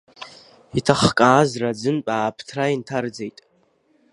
Иҭахкааз раӡынтә аабҭра инҭарҵеит.